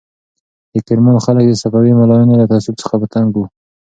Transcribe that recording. د کرمان خلک د صفوي ملایانو له تعصب څخه په تنګ وو.